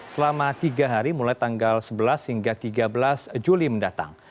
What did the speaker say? selama tiga hari mulai tanggal sebelas hingga tiga belas juli mendatang